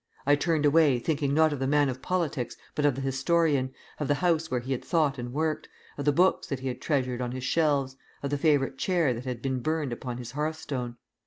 I turned away, thinking not of the man of politics, but of the historian, of the house where he had thought and worked, of the books that he had treasured on his shelves, of the favorite chair that had been burned upon his hearthstone.